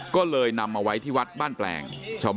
ก็เลยนำมาไว้ที่วัดบ้านแปลง